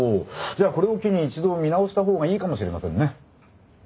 じゃあこれを機に一度見直した方がいいかもしれませんね。